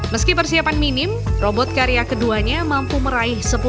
meski persiapan minim robot karya keduanya mampu meraih sepuluh